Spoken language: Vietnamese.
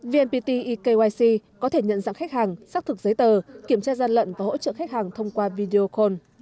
vnpt ekyc có thể nhận dạng khách hàng xác thực giấy tờ kiểm tra gian lận và hỗ trợ khách hàng thông qua video call